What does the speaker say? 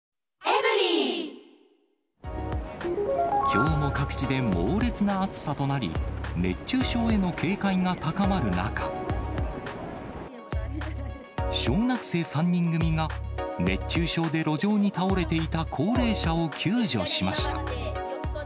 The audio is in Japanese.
きょうも各地で猛烈な暑さとなり、熱中症への警戒が高まる中、小学生３人組が、熱中症で路上に倒れていた高齢者を救助しました。